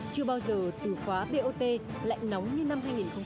chưa bao giờ từ khóa bot lại nóng như năm hai nghìn một mươi ba